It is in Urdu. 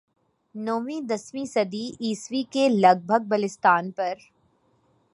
نویں دسویں صدی عیسوی کے لگ بھگ بلتستان پر